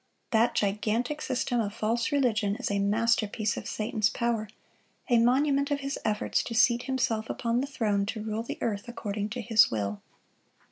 That gigantic system of false religion is a masterpiece of Satan's power,—a monument of his efforts to seat himself upon the throne to rule the earth according to his will.